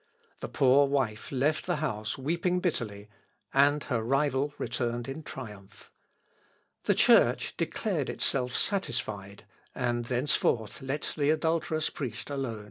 The poor wife left the house weeping bitterly, and her rival returned in triumph. The Church declared itself satisfied, and thenceforth let the adulterous priest alone.